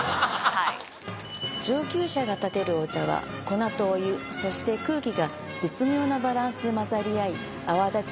はっ上級者がたてるお茶は粉とお湯そして空気が絶妙なバランスで混ざり合い泡立ち